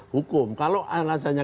hukum kalau alasannya